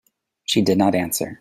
She did not answer.